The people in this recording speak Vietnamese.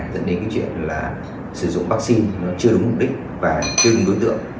dẫn đến cái chuyện là sử dụng vaccine nó chưa đúng mục đích và chưa đúng đối tượng